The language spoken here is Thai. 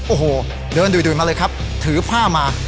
โอ้โหเดินดุยมาเลยครับถือผ้ามา